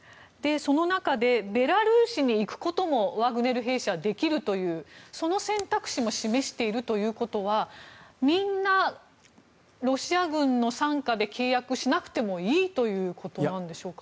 その中でベラルーシに行くこともワグネル兵士はできるというその選択肢も示しているということはみんなロシア軍の傘下で契約しなくてもいいということなんでしょうか。